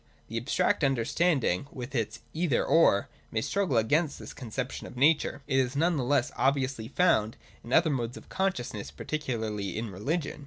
The abstract understanding, with its ' Either — or,' may struggle against this conception of nature. It is none the less obviously found in our other modes of consciousness, particularly in religion.